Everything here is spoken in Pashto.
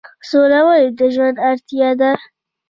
سوله ولې د ژوند اړتیا ده؟